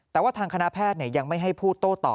แต่ว่าทางคณะแพทย์ยังไม่ให้พูดโต้ตอบ